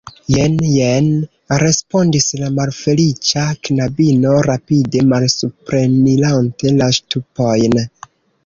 Jen, jen, respondis la malfeliĉa knabino, rapide malsuprenirante la ŝtupojn.